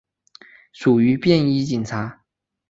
属于便衣警察。